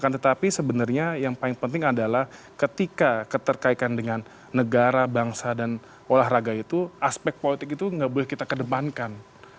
tetapi sebenarnya yang paling penting adalah ketika keterkaitan dengan negara bangsa dan olahraga itu aspek politik itu nggak boleh kita kedepankan